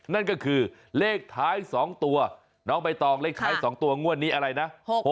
นั่นก็คือเลขท้าย๒ตัวน้องใบตองเลขท้าย๒ตัวงวดนี้อะไรนะ